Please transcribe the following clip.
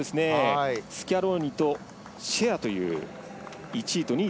スキャローニとシェアが１位、２位。